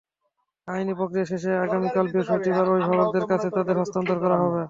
আইনি প্রক্রিয়া শেষে আগামীকাল বৃহস্পতিবার অভিভাবকদের কাছে তাঁদের হস্তান্তর করা হবে।